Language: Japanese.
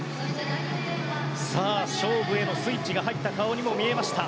勝負へのスイッチが入った顔にも見えました。